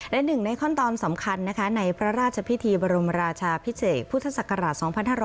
และหนึ่งในขั้นตอนสำคัญนะคะในพระราชพิธีบรมราชาพิเศษพุทธศักราช๒๕๖๐